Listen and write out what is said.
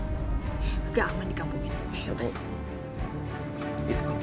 tidak aman di kampung ini